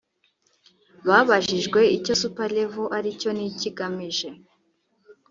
Babajijwe icyo The Super Level aricyo n’icyo igamije